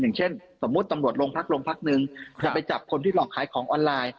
อย่างเช่นสมมุติตำรวจโรงพักโรงพักนึงจะไปจับคนที่หลอกขายของออนไลน์